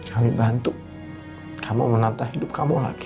kami bantu kamu menata hidup kamu lagi